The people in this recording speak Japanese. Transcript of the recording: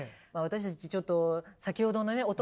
私たちちょっと先ほどのね